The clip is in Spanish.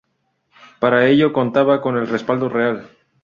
Para ello contaba con el respaldo real.